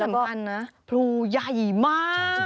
แล้วที่สำคัญนะผูอย่าหยีมาก